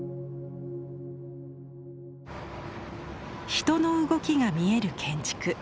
人の動きが見える建築。